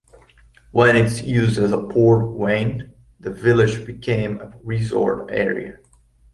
When its use as a port waned, the village became a resort area.